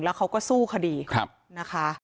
แล้วเขาก็สู้คดีนะคะ